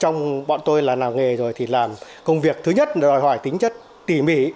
nó là nghề rồi thì làm công việc thứ nhất là hỏi tính chất tỉ mỉ